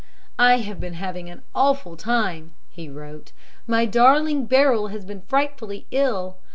"'I have been having an awful time,' he wrote. 'My darling Beryl has been frightfully ill.